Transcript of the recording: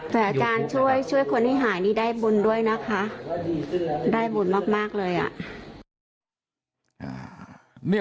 แต่อาจารย์ช่วยคนให้หายนี่ได้บุญด้วยนะคะได้บุญมากเลยอ่ะ